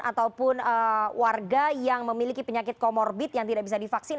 ataupun warga yang memiliki penyakit komorbit yang tidak bisa divaksin